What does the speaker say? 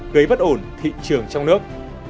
gây bất ổn thị trường trong nước